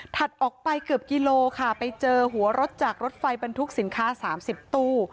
ออกไปเกือบกิโลค่ะไปเจอหัวรถจากรถไฟบรรทุกสินค้า๓๐ตู้